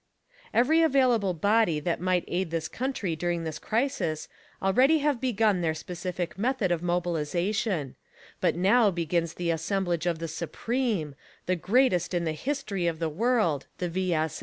" Every available body that might aid this country during this crisis already have begun their specific method of mobilization; but now begins the assemb lage of the SUPREME, the greatest in the history of the world— the V.